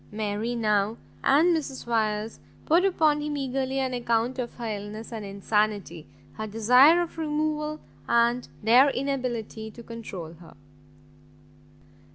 Mary now, and Mrs Wyers, poured upon him eagerly an account of her illness, and insanity, her desire of removal, and their inability to control her.